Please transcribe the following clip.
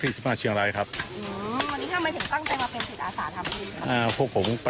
อืมอันนี้ทำไมถึงตั้งใจมาเป็นศิลปรีดอาสาทัพอีกครับอ่าพวกผม